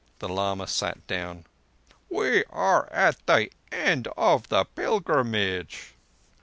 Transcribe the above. The lama sat down. "We are at the end of the pilgrimage."